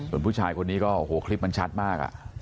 ส่วนผู้ชายคนนี้ก็โอ้โหคลิปมันชัดมาก